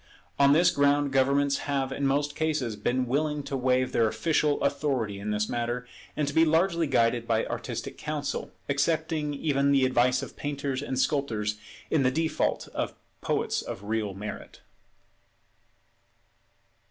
On this ground governments have in most cases been willing to waive their official authority in this matter, and to be largely guided by artistic counsel, accepting even the advice of painters and sculptors in the default of poets of real merit.